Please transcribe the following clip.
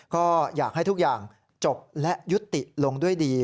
ก็อยากให้ทุกอย่างจบและยุติลงด้วยดี